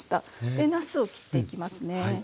でなすを切っていきますね。